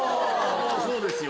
もうそうですよ。